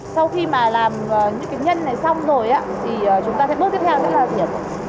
sau khi mà làm những cái nhân này xong rồi thì chúng ta sẽ bước tiếp theo thế nào là việc